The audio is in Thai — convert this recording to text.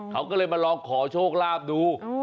เขาก็เลยมาลองขอโชคลาภดู